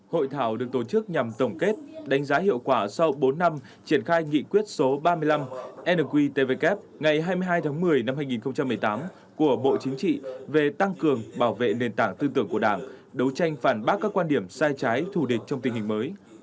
hội thảo được tổ chức nhằm tổng kết đánh giá hiệu quả sau bốn năm triển khai nghị quyết số ba mươi năm nqtvk ngày hai mươi hai tháng một mươi năm hai nghìn một mươi tám của bộ chính trị về tăng cường bảo vệ nền tảng tư tưởng của đảng đấu tranh phản bác các quan điểm sai trái thù địch trong tình hình mới